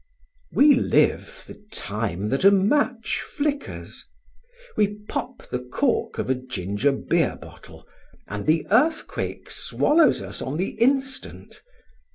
We live the time that a match flickers; we pop the cork of a ginger beer bottle, and the earthquake swallows us on the instant.